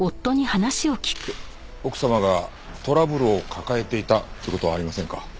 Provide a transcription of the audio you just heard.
奥様がトラブルを抱えていたという事はありませんか？